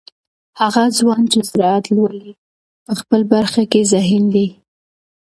هغه ځوان چې زراعت لولي په خپله برخه کې ذهین دی.